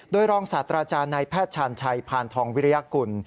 โดยรองศาสตราจารย์ในแพทย์ชาญชัยพานทองวิริยากุล